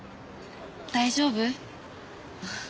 大丈夫？